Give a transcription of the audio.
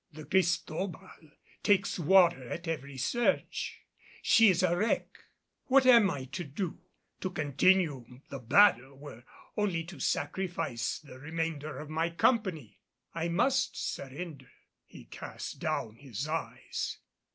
The Cristobal takes water at every surge. She is a wreck. What am I to do? To continue the battle were only to sacrifice the remainder of my company. I must surrender." He cast down his eyes.